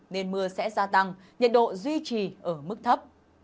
nên mưa sẽ gia tăng nhiệt độ duy trì ở mức thấp